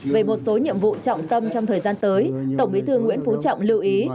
về một số nhiệm vụ trọng tâm trong thời gian tới tổng bí thư nguyễn phú trọng lưu ý